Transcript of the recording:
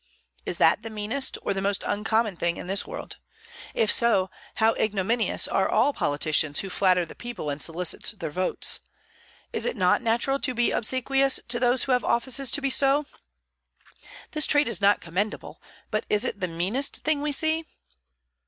Is that the meanest or the most uncommon thing in this world? If so, how ignominious are all politicians who flatter the people and solicit their votes? Is it not natural to be obsequious to those who have offices to bestow? This trait is not commendable, but is it the meanest thing we see?